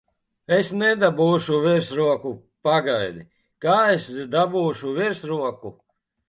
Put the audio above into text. Es nedabūšu virsroku! Pagaidi, kā es dabūšu virsroku!